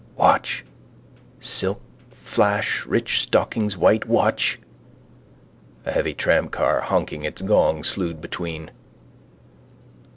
Watch! Silk flash rich stockings white. Watch! A heavy tramcar honking its gong slewed between.